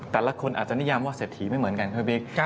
แต่ละคนอาจจะนิยามว่าเศรษฐีไม่เหมือนกันครับพี่บิ๊ก